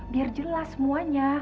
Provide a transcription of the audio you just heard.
biar jelas semuanya